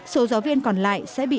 số giáo viên còn lại sẽ bị tham gia